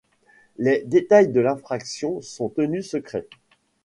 Les détails de l'infraction sont tenus secrets.